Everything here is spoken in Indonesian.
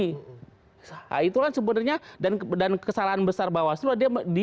nah itulah sebenarnya dan kesalahan besar bawaslu